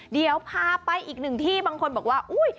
เดี๋ยวพาไปอีกหนึ่งที่บางคนบอกว่าอุ๊ย